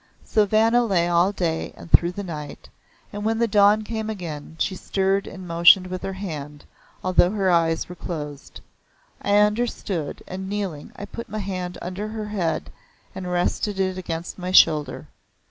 So Vanna lay all day and through the night, and when the dawn came again she stirred and motioned with her hand, although her eyes were closed. I understood, and kneeling, I put my hand under her head, and rested it against my shoulder.